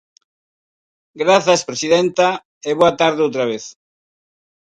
Grazas, presidenta, e boa tarde outra vez.